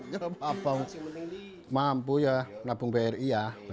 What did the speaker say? ya mampu ya mampu ya labung bri ya